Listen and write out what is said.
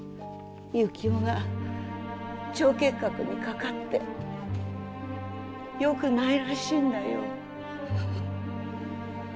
行男が腸結核にかかってよくないらしいんだよ。